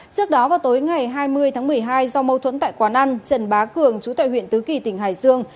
trước đó vào tối ngày hai mươi tháng một mươi hai do mâu thuẫn tại quán ăn trần bá cường chú tại huyện tứ kỳ tỉnh hải dương